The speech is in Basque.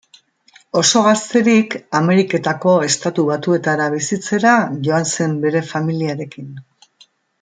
Oso gazterik Ameriketako Estatu Batuetara bizitzera joan zen bere familiarekin.